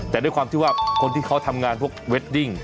แต่ด้วยความที่ว่าคนที่เขาทำงานพวกเวดดิ้ง